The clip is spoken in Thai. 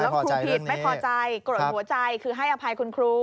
แล้วก็อยากให้เรื่องนี้จบไปเพราะว่ามันกระทบกระเทือนทั้งจิตใจของคุณครู